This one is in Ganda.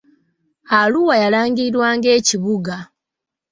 Arua yalangirirwa ng'ekibuga.